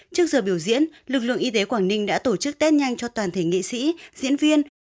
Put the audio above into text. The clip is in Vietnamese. trước giờ biểu diễn lực lượng y tế quảng ninh đã tổ chức tết nhanh cho toàn thể nghị sĩ diễn viên